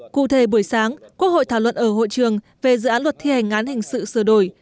cụ thể buổi sáng quốc hội thảo luận ở hội trường về dự án luật thi hành án hình sự sửa đổi